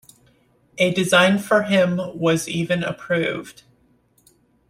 A design for him was even approved.